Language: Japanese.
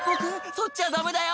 そっちはダメだよ！